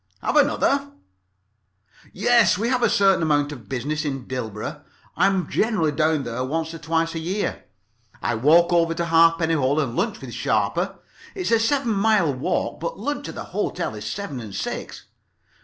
Have another? "Yes, we have a certain amount of business in Dilborough. I'm generally down there once or twice a year. I walk over to Halfpenny Hole and lunch with Sharper. It's a seven mile walk. But lunch at the hotel is seven and six.